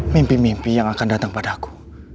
mimpi mimpi yang akan datang padaku